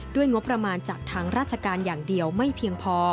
งบประมาณจากทางราชการอย่างเดียวไม่เพียงพอ